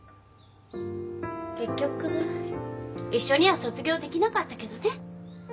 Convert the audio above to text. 結局一緒には卒業できなかったけどね。